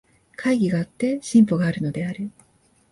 懐疑があって進歩があるのである。